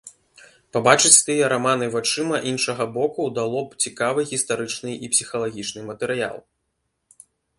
Пабачыць тыя раманы вачыма іншага боку дало б цікавы гістарычны і псіхалагічны матэрыял.